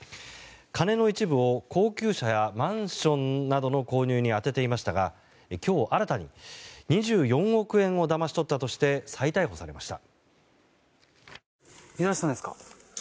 金の一部を高級車やマンションなどの購入に充てていましたが今日新たに２４億円をだまし取ったとして再逮捕されました。